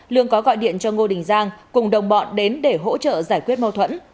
lương có gọi điện cho ngô đình giang cùng đồng bọn đến để hỗ trợ giải quyết mâu thuẫn